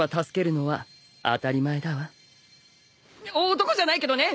男じゃないけどね！